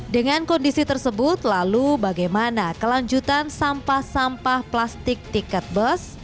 dengan kondisi tersebut lalu bagaimana kelanjutan sampah sampah plastik tiket bus